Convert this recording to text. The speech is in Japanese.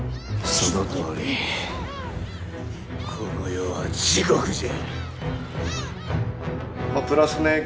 そのとおりこの世は地獄じゃ！